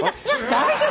大丈夫？